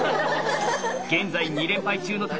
現在２連敗中の橋さん。